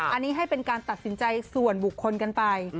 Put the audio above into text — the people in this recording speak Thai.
อันนี้ให้เป็นการตัดสินใจส่วนบุคคลกันไป